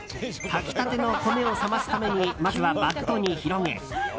炊き立ての米を冷ますためにまずはバットに広げ